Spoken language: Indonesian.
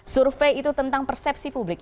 survei itu tentang persepsi publik